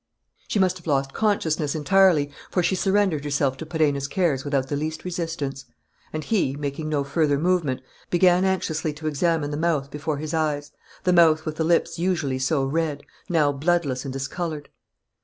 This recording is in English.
She must have lost consciousness entirely, for she surrendered herself to Perenna's cares without the least resistance. And he, making no further movement, began anxiously to examine the mouth before his eyes, the mouth with the lips usually so red, now bloodless and discoloured.